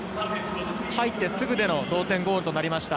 入ってすぐでの同点ゴールとなりました。